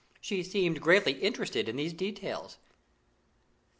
She seemed greatly interested in these details.